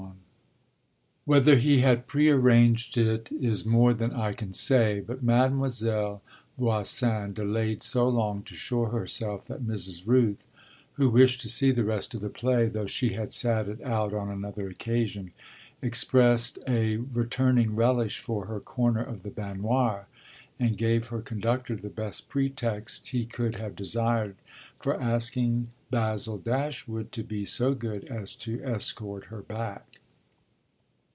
XXI Whether he had prearranged it is more than I can say, but Mademoiselle Voisin delayed so long to show herself that Mrs. Rooth, who wished to see the rest of the play, though she had sat it out on another occasion, expressed a returning relish for her corner of the baignoire and gave her conductor the best pretext he could have desired for asking Basil Dashwood to be so good as to escort her back.